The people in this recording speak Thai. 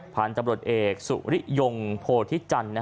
ผ่านจำรวจเอกสุริยงโพธิจันทร์